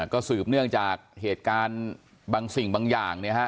ก็สืบเนื่องจากเหตุการณ์บางสิ่งบางอย่างเนี่ยฮะ